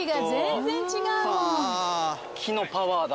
木のパワーだ。